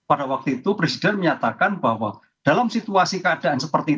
pada waktu itu presiden menyatakan bahwa dalam situasi keadaan seperti ini